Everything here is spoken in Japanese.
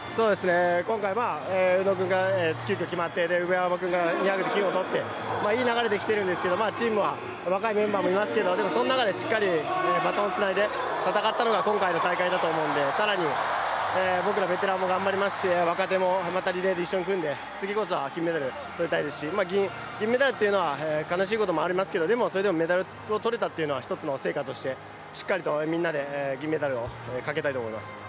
今回は宇野君が急きょ決まって、上山君が２００で金を取っていい流れできているんですけど、チームは若いメンバーもいますけどでも、その中でしっかりバトンをつないで戦ったのが今回の大会だと思うので更に僕らベテランも頑張りますし若手もまたリレーで一緒に組んで次こそは金メダルとりたいですし銀メダルっていうのは、悲しいこともありますけどもでもそれでもメダルを取れたというのは一つの成果としてしっかりとみんなで銀メダルを掲げたいと思います。